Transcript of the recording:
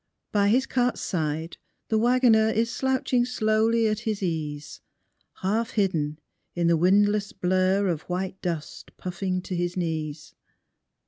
By his cart's side the wagoner Is slouching slowly at his ease, Half hidden in the windless blur Of white dust puffing to his knees.